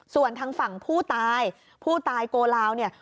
ส่วนทางฝั่งผู้ตายผู้ตายโกลาวเนี่ย